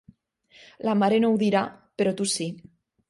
La mare no ho dirà, però tu sí.